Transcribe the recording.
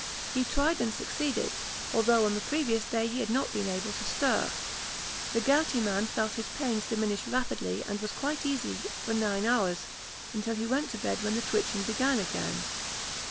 He tried and succeeded, although on the previous day he had not been able to stir. The gouty man felt his pains diminish rapidly, and was quite easy for nine hours, until he went to bed, when the twitching began again.